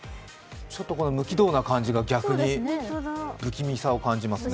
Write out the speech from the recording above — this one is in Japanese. ちょっと無軌道な感じが逆に不気味さを感じますね。